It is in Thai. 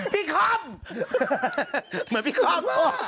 พี่คอมเหมือนพี่คอม